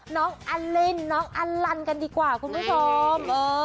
น้องอลินน้องอัลลันกันดีกว่าคุณผู้ชม